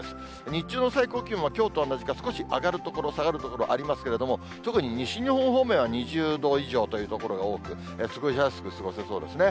日中の最高気温はきょうと同じか、少し上がる所、下がる所、ありますけれども、特に西日本方面は２０度以上という所が多く、過ごしやすく過ごせそうですね。